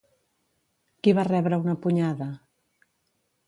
Qui va rebre una punyada?